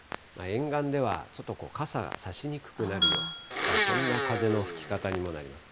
沿岸ではちょっと傘差しにくくなるような、そんな風の吹き方にもなります。